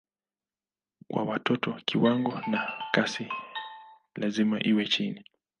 Kwa watoto kiwango na kasi lazima iwe chini.